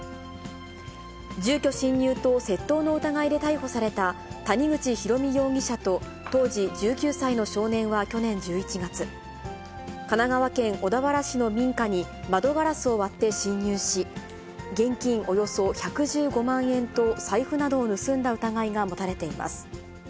住居侵入と窃盗の疑いで逮捕された、谷口博美容疑者と当時１９歳の少年は去年１１月、神奈川県小田原市の民家に窓ガラスを割って侵入し、現金およそ１１５万円と財布などを盗んだ疑いが持たれています。